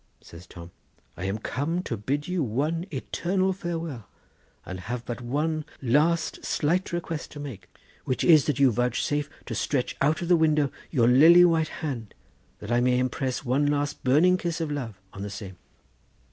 Says Tom: 'I am come to bid you one eternal farewell, and have but one last slight request to make, which is that you vouchsafe to stretch out of the window your lily white hand, that I may impress one last burning kiss of love on the same.